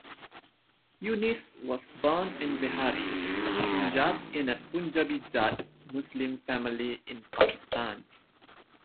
Younis was born in Vehari, Punjab in a Punjabi Jatt Muslim family in Pakistan.